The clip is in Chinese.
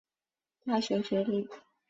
大学学历。